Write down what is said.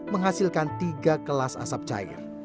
menghasilkan tiga kelas asap cair